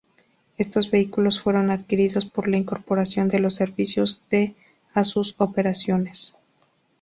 Estos vehículos fueron adquiridos por la incorporación de los servicios D a sus operaciones.